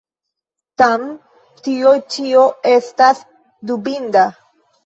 Tam tio ĉio estas dubinda.